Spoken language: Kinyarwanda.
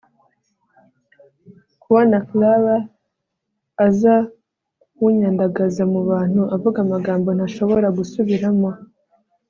kubona Clara aza kunyandagaza mu bantu avuga amagambo ntashobora gusubiramo